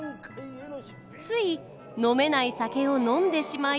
つい飲めない酒を飲んでしまい。